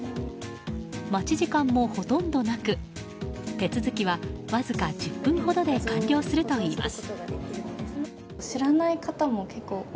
待ち時間もほとんどなく手続きはわずか１０分ほどで完了するといいます。